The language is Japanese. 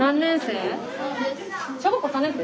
小学校３年生？